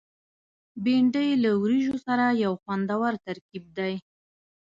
بېنډۍ له وریجو سره یو خوندور ترکیب دی